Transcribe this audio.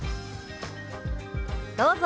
どうぞ。